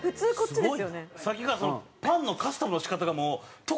さっきからパンのカスタムの仕方がもう。